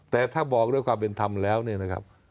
แต่ถ้าบอกด้วยความเป็นธรรมแล้วเนี่ยนะครับ